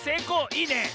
いいね。